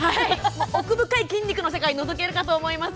奥深い筋肉の世界をのぞけるかと思います。